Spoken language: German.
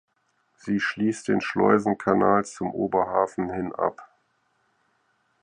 Sie schließt den Schleusenkanal zum Oberhafen hin ab.